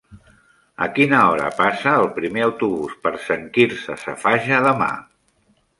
A quina hora passa el primer autobús per Sant Quirze Safaja demà?